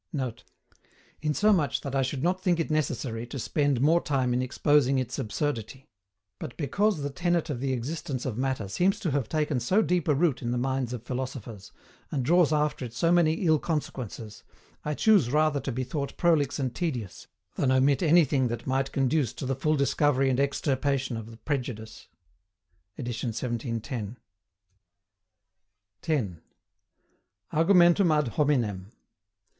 ] [Note: "Insomuch that I should not think it necessary to spend more time in exposing its absurdity. But because the tenet of the existence of matter seems to have taken so deep a root in the minds of philosophers, and draws after it so many ill consequences, I choose rather to be thought prolix and tedious, than omit anything that might conduce to the full discovery and extirpation of the prejudice." Edit 1710.] 10. ARGUMENTUM AD HOMINEM.